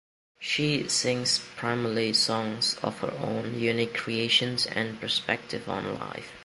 She sings primarily songs of her own unique creation and perspective on life.